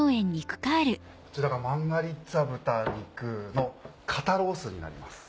こちらがマンガリッツァ豚肉の肩ロースになります。